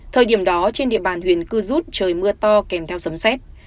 thời điểm đó trên địa bàn huyện cư rút trời mưa to kèm theo sấm xét